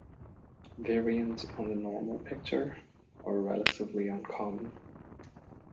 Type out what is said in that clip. Variants on the normal picture are relatively uncommon.